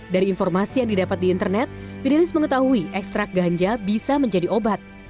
dari informasi yang didapat di internet fidelis mengetahui ekstrak ganja bisa menjadi obat